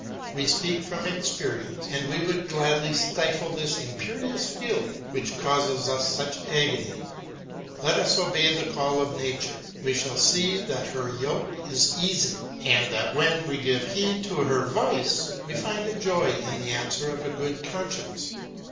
We speak from experience, and we would gladly stifle this imperious feeling which causes us such agony. Let us obey the call of nature; we shall see that her yoke is easy and that when we give heed to her voice we find a joy in the answer of a good conscience.